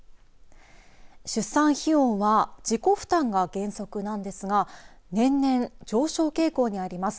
出産費用は自己負担が原則なんですが年々上昇傾向にあります。